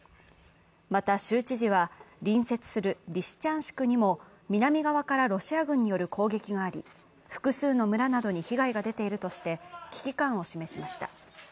また州知事は隣接するリシチャンシクにも南側からロシア軍による攻撃があり、複数の村などに被害が出ているとして危機感を示しました。